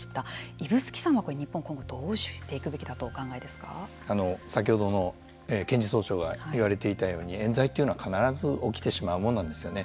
指宿さんは、日本今後どうしていくべきだと先ほどの検察総長が言われていたようにえん罪というのは必ず起きてしまうものなんですよね。